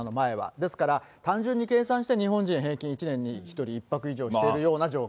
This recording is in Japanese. ですから単純に計算して、日本人は平均１年に１人１泊以上しているような状況。